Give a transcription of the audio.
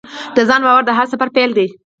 د ځان باور د هر سفر پیل دی.